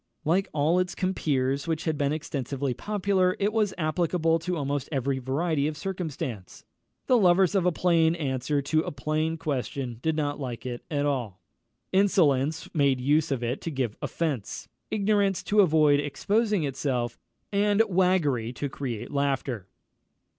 Like all its compeers which had been extensively popular, it was applicable to almost every variety of circumstance. The lovers of a plain answer to a plain question did not like it at all. Insolence made use of it to give offence; ignorance to avoid exposing itself; and waggery to create laughter.